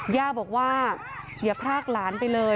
ย่าบอกว่าอย่าพรากหลานไปเลย